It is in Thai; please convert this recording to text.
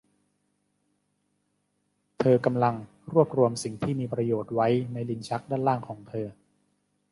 เธอกำลังรวบรวมสิ่งที่มีประโยชน์ไว้ในลิ้นชักด้านล่างของเธอ